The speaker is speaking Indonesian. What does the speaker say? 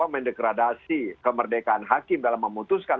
mendegradasi kemerdekaan hakim dalam memutuskan